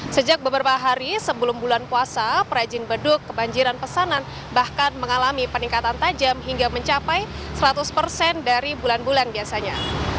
sejak beberapa hari sebelum bulan puasa perajin beduk kebanjiran pesanan bahkan mengalami peningkatan tajam hingga mencapai seratus persen dari bulan bulan biasanya